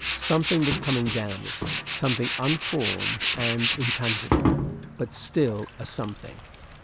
Something was coming down it something unformed and intangible, but still a something.